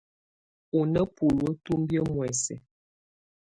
Ú ná buluǝ́ tumbiǝ́ muɛsɛ.